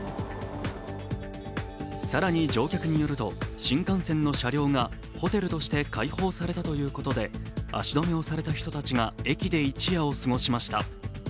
更に乗客によると新幹線の車両がホテルとして開放されたということで、足止めをされた人たちが駅で一夜を過ごしました。